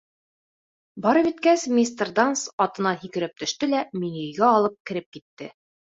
Барып еткәс, мистер Данс атынан һикереп төштө лә мине өйгә алып кереп китте.